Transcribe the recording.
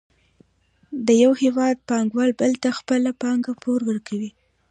د یو هېواد پانګوال بل ته خپله پانګه پور ورکوي